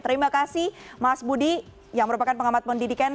terima kasih mas budi yang merupakan pengamat pendidikan